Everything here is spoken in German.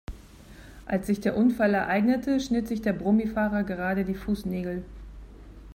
Als sich der Unfall ereignete, schnitt sich der Brummi-Fahrer gerade die Fußnägel.